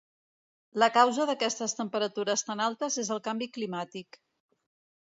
La causa d’aquestes temperatures tan altes és el canvi climàtic.